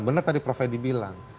benar tadi prof edi bilang